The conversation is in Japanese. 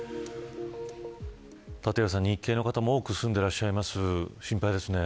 立岩さん、日系の方も多く住んでいらっしゃいます。